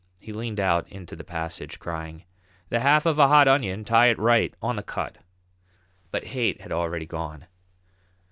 He leaned out into the passage, crying: "The half of a hot onion; tie it right on the cut." But Haight had already gone.